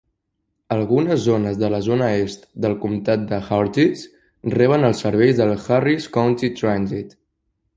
Algunes zones de la zona est del comtat de Hartis reben els serveis del Harris County Transit.